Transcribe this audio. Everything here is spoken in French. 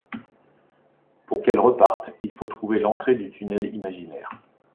Pour qu'elle reparte, il faut trouver l'entrée du tunnel imaginaire.